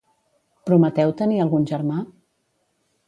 Prometeu tenia algun germà?